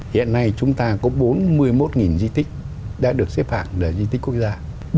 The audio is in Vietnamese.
hiện nay chúng ta có bốn mươi một di tích đã được xếp hạng là di tích quốc gia